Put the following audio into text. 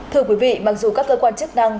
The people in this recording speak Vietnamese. thưa quý vị mặc dù các cơ quan chức năng